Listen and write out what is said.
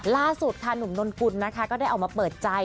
ล่าสุดค่ะหนุ่มนนกุลนะคะก็ได้ออกมาเปิดใจ